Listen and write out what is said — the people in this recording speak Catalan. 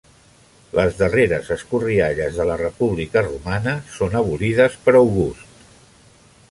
Les darreres escorrialles de la República romana són abolides per August.